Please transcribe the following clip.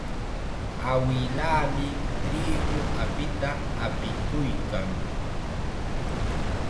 Awilaami triqu apita apikuykan.